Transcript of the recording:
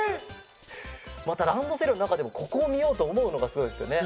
またランドセルのなかでもここを見ようと思うのがすごいですよね。